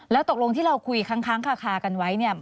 แล้วตกลงที่เราคุยค้างคากันไว้เนี่ย